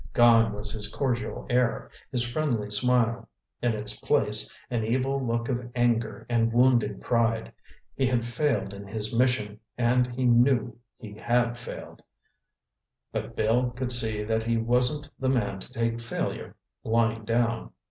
Gone was his cordial air, his friendly smile. In its place, an evil look of anger and wounded pride. He had failed in his mission and he knew he had failed; but Bill could see that he wasn't the man to take failure lying down.